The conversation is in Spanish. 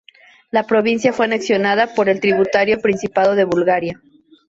La provincia fue anexionada por el tributario Principado de Bulgaria.